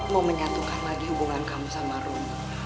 mau menyatukan lagi hubungan kamu sama rom